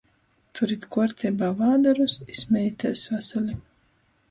Turit kuorteibā vādarus i smejitēs vasali!!!